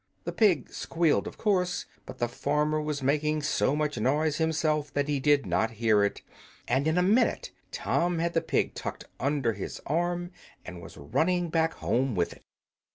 The pig squealed, of course, but the farmer was making so much noise himself that he did not hear it, and in a minute Tom had the pig tucked under his arm and was running back home with it.